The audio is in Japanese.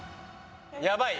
やばい？